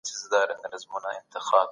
آیا زمانه د داستان په څېړنه کي رول لري؟